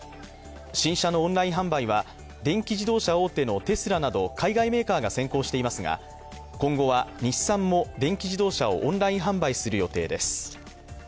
新車のオンライン販売は電気自動車大手のテスラなど海外メーカーが先行していますが今後日産も電気自動車をオンライン販売する予定です。